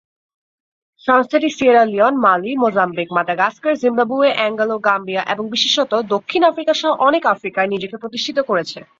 সংস্থাটি Sierra Leone, Mali, Mozambique, Madagascar, Zimbabwe, Angola, Gambia এবং বিশেষত দক্ষিণ আফ্রিকা সহ অনেক আফ্রিকায় নিজেকে প্রতিষ্ঠিত করেছে।